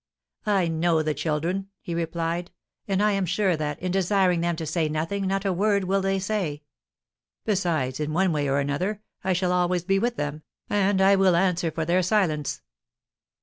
"I know the children," he replied; "and I am sure that, in desiring them to say nothing, not a word will they say. Besides, in one way or another, I shall be always with them, and I will answer for their silence."